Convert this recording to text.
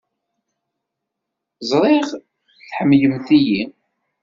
Ẓriɣ tḥemmlemt-iyi.